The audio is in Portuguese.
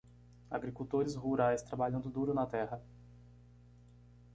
Agricultores rurais trabalhando duro na terra